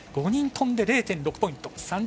５人飛んで０．６ポイント。